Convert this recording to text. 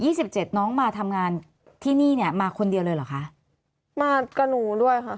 สิบเจ็ดน้องมาทำงานที่นี่เนี้ยมาคนเดียวเลยเหรอคะมากับหนูด้วยค่ะ